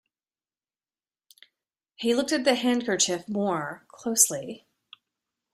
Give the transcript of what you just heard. He looked at the handkerchief more, closely.